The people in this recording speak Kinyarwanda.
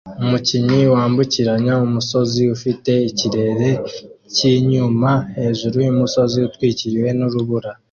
Umukinyi wambukiranya umusozi ufite ikirere cyinyuma hejuru yumusozi utwikiriwe nurubura